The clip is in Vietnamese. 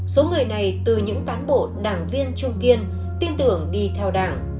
số người này từ những cán bộ đảng viên trung kiên tin tưởng đi theo đảng